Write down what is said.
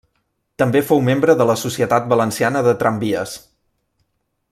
També fou membre de la Societat Valenciana de Tramvies.